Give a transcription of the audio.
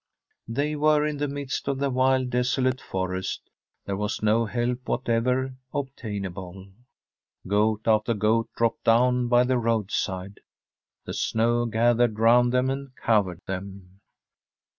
They were in the midst of the wild, desolate forest ; there was no help whatever obtainable. Goat after goat dropped down by the roadside. The snow gathered round them and covered them.